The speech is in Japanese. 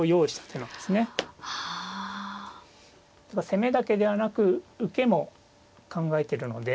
攻めだけではなく受けも考えてるので。